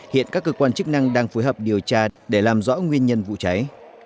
hiện các cơ quan chức năng đang phối hợp điều tra để làm rõ nguyên nhân vụ cháy